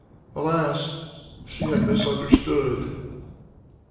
Alas! she had misunderstood!